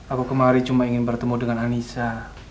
aku kemari cuma ingin bertemu dengan anissa